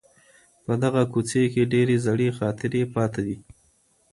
په دغه کوڅې کي ډېرې زړې خاطرې پاته دي.